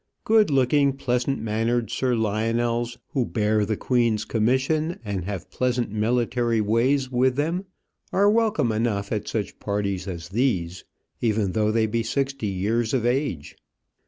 Good looking, pleasant mannered Sir Lionels, who bear the Queen's commission, and have pleasant military ways with them, are welcome enough at such parties as these, even though they be sixty years of age.